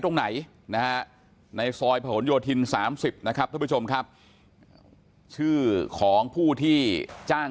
ตรงไหนนะฮะในซอยผนโยธิน๓๐นะครับท่านผู้ชมครับชื่อของผู้ที่จ้าง